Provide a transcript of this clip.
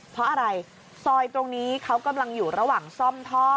เพราะอะไรซอยตรงนี้เขากำลังอยู่ระหว่างซ่อมท่อ